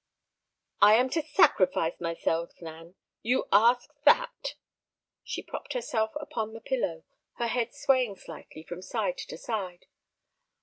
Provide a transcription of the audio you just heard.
"I am to sacrifice myself, Nan. You ask that?" She propped herself upon the pillow, her head swaying slightly from side to side.